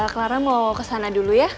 clara mau kesana dulu ya